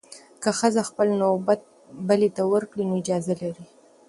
که ښځه خپل نوبت بلې ته ورکړي، نو اجازه لري.